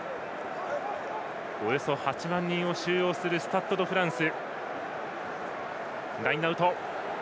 およそ８万人を収容するスタッド・ド・フランス。